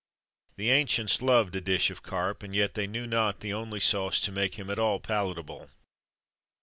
The ancients loved a dish of carp, and yet they knew not the only sauce to make him at all palatable.